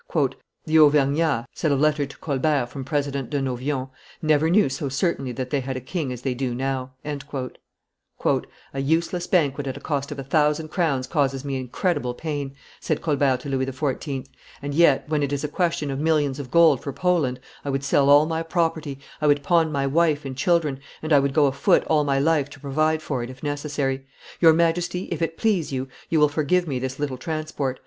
"The Auvergnats," said a letter to Colbert from President de Novion, "never knew so certainly that they had a king as they do now." "A useless banquet at a cost of a thousand crowns causes me incredible pain," said Colbert to Louis XIV., and yet, when it is a question of millions of gold for Poland, I would sell all my property, I would pawn my wife and children, and I would go afoot all my life to provide for it if necessary. Your Majesty, if it please you, will forgive me this little transport.